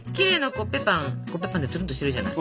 コッペパンってツルンとしてるじゃない。